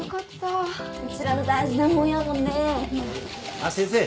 あっ先生。